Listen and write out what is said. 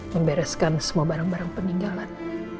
membereskan semua barang barang peninggalan